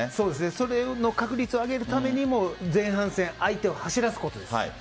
その確率を上げるためにも前半戦、相手を走らせることです。